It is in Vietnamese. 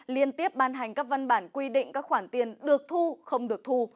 liên tiếp ban hành các văn bản quy định các khoản tiền được thu không được thu